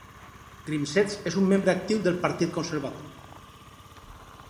Grimseth és un membre actiu del Partit Conservador.